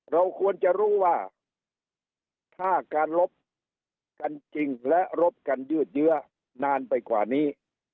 เราควรจะรู้ว่าถ้าการลบกันจริงและรบกันยืดเยื้อนานไปกว่านี้